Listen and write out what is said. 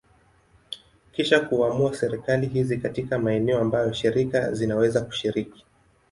Kisha kuamua serikali hizi katika maeneo ambayo shirika zinaweza kushiriki.